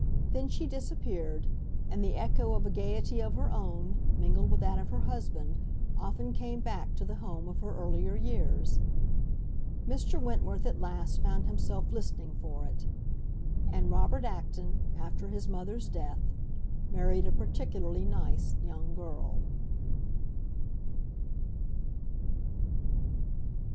Then she disappeared, and the echo of a gaiety of her own, mingled with that of her husband, often came back to the home of her earlier years. Mr. Wentworth at last found himself listening for it; and Robert Acton, after his mother's death, married a particularly nice young girl.